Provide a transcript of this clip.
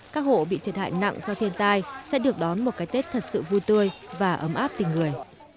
các hộ bị thiệt hại nặng do thiên tai sẽ được đón một cái tết thật sự vui tươi và ấm áp tình người